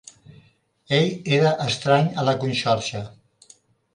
Ell era estrany a la conxorxa.